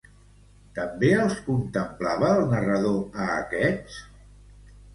També els contemplava el narrador a aquests?